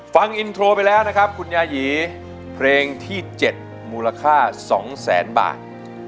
ฟังอินโทรไปแล้วนะครับคุณยายีเพลงที่๗มูลค่า๒แสนบาท